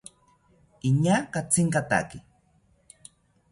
Iñaa katsinkataki